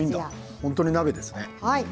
本当に鍋ですね。